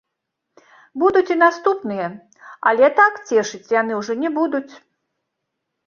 Будуць і наступныя, але так цешыць яны ўжо не будуць.